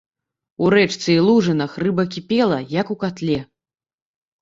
У рэчцы і лужынах рыба кіпела, як у катле.